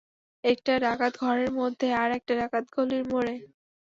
একটা ডাকাত ঘরের মধ্যে, আর-একটা ডাকাত গলির মোড়ে।